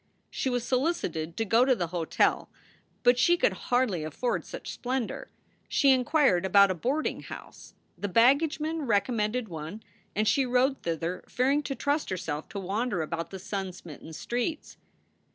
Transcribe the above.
She was solicited to go to the hotel, but she could hardly afford such splendor. She inquired about a boarding house. The baggageman recommended one, and she rode thither, fearing to trust herself to wander about the sun smitten streets.